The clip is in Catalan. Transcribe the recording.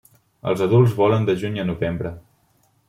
Els adults volen de juny a novembre.